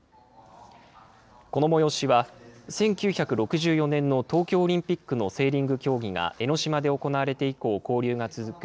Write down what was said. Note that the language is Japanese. この催しは、１９６４年の東京オリンピックのセーリング競技が江の島で行われて以降、交流が続く